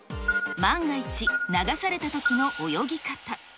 万が一、流されたときの泳ぎ方。